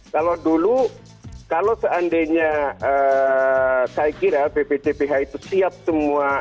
kalau dulu kalau seandainya saya kira bpjph itu siap semua